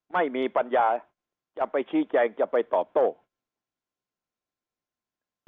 ไม่มีปัญญาจะไปชี้แจงจะไปตอบโต้